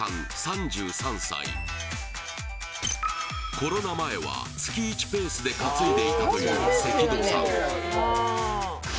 コロナ前は月１ペースで担いでいたという関戸さん